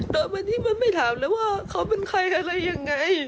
ตอนที่มันไม่ถามแล้วว่าเขาเป็นใครอะไรยังไง